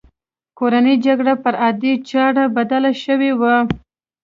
کورنۍ جګړه پر عادي چاره بدله شوې وه.